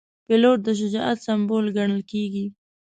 پیلوټ د شجاعت سمبول ګڼل کېږي.